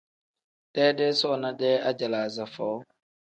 Deedee soona-dee ajalaaza foo.